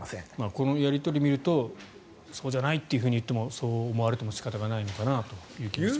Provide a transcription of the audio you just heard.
このやり取りを見るとそうじゃないと言ってもそう思われても仕方がないのかなという気がしますよね。